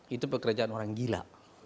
itu pekerjaan orang gila